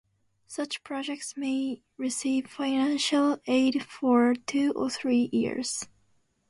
Such projects may receive financial aid for two or three years.